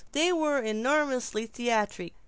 They were enormously theatric.